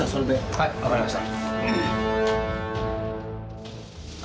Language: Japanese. はい分かりました。